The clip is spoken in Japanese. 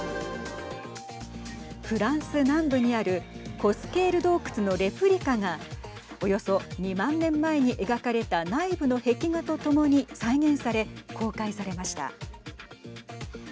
フランス南部にあるコスケール洞窟のレプリカがおよそ２万年前に描かれた内部の壁画とともに再現され公開されました。